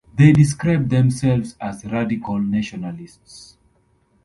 They described themselves as 'radical nationalists'.